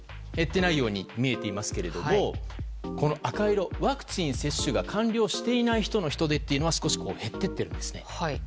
減っていないように見えていますけどこの赤色、ワクチン接種が完了していない人の人出は少し減っていっているんです。